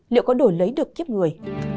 liệu có đổi lấy được kiếp người